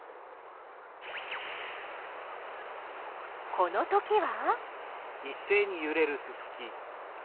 このときは？